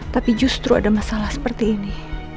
tapi justru ada masalah seperti ini